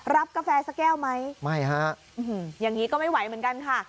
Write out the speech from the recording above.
กาแฟสักแก้วไหมไม่ฮะอย่างนี้ก็ไม่ไหวเหมือนกันค่ะ